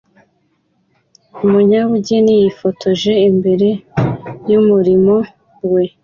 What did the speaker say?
Umunyabugeni yifotoje imbere yumurimo we